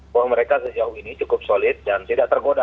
bahwa mereka sejauh ini cukup solid dan tidak tergoda